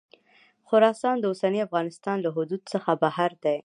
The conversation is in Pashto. خراسان د اوسني افغانستان له حدودو څخه بهر دی.